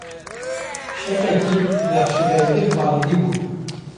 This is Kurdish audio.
Şêxekî Neqşîbendî Xalidî bû.